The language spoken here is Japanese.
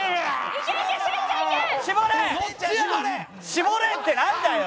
「絞れ」ってなんだよ！